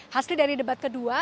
hasil dari debat kedua